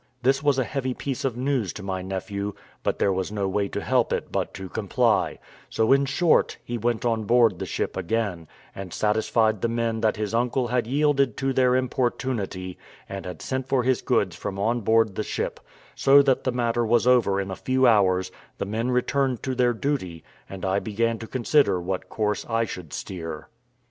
This was a heavy piece of news to my nephew, but there was no way to help it but to comply; so, in short, he went on board the ship again, and satisfied the men that his uncle had yielded to their importunity, and had sent for his goods from on board the ship; so that the matter was over in a few hours, the men returned to their duty, and I began to consider what course I should steer.